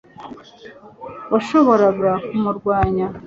washoboraga kumurwanya